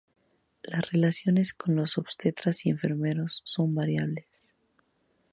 Las relaciones con los obstetras y enfermeros son variables.